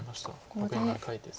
残り７回です。